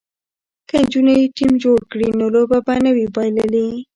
که نجونې ټیم جوړ کړي نو لوبه به نه وي بایللې.